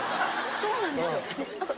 そうなんですよ。